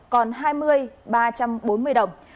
giá bán hai mươi ba trăm bốn mươi đồng